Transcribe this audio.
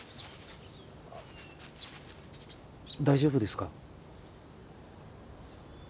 大丈夫ですか？